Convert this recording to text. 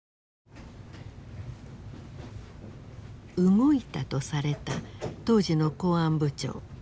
「動いた」とされた当時の公安部長。